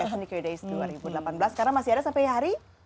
achnical days dua ribu delapan belas karena masih ada sampai hari